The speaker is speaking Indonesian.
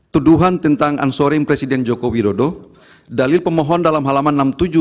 tuduhan tentang ansurim presiden jokowi dodo dalil pemohon dalam halaman enam puluh tujuh enam puluh sembilan